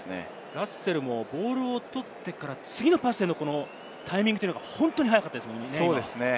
ラッセルもボールを取ってから、次のパスへのタイミングというのが本当に早かったですもんね。